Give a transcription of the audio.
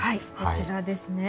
こちらですね。